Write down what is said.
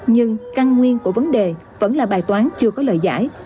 nhưng căn nguyên của vấn đề vẫn là bài toán chưa có lời giải